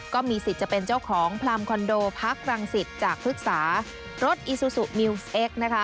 ก็มีสิทธิ์จะเป็นเจ้าของพลำคอนโดพักรังสิตจากภึกษารถอีซูซูมิวสเอ็กซ์นะคะ